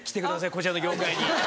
こちらの業界に。